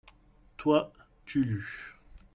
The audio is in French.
toi, tu lus.